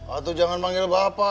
ah itu jangan panggil bapak